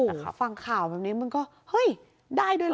โอ้โหฟังข่าวแบบนี้มันก็เฮ้ยได้ด้วยเหรอ